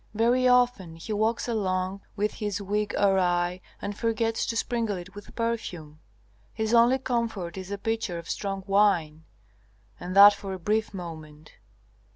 Very often he walks along with his wig awry and forgets to sprinkle it with perfume. His only comfort is a pitcher of strong wine, and that for a brief moment.